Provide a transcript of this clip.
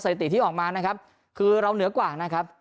ถิติที่ออกมานะครับคือเราเหนือกว่านะครับ